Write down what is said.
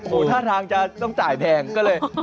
โอ้โหท่าทางจะต้องจ่ายแพงก็เลย